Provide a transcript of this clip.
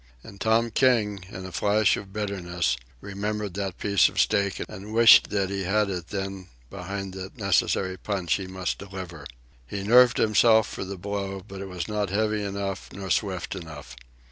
And Tom King, in a flash of bitterness, remembered the piece of steak and wished that he had it then behind that necessary punch he must deliver. He nerved himself for the blow, but it was not heavy enough nor swift enough.